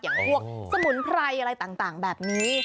อย่างพวกสมุนไพรอะไรต่างแบบนี้